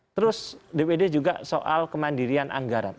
terus dpd juga soal kemandirian anggaran